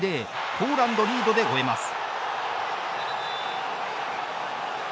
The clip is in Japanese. ポーランドリードで終えます。